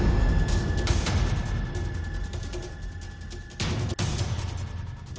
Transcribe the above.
bagaimana sendo ngetek susah